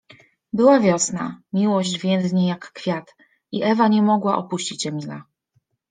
Była wiosna, „miłość więdnie jak kwiat”, i Ewa nie mogła opuścić Emila.